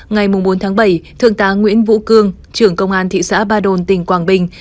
ngày bốn tháng bảy thượng tá nguyễn vũ cương trưởng công an thị xã ba đồn tỉnh quảng bình